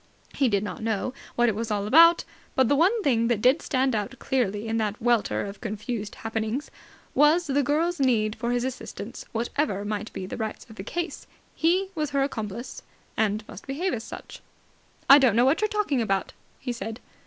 He did not know what it was all about, but the one thing that did stand out clearly in the welter of confused happenings was the girl's need for his assistance. Whatever might be the rights of the case, he was her accomplice, and must behave as such. "I don't know what you're talking about," he said.